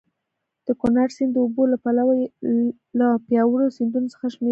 د کونړ سیند د اوبو له پلوه یو له پیاوړو سیندونو څخه شمېرل کېږي.